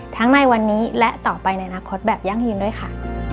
ในวันนี้และต่อไปในอนาคตแบบยั่งยืนด้วยค่ะ